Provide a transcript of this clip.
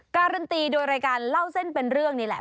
การันตีโดยรายการเล่าเส้นเป็นเรื่องนี่แหละ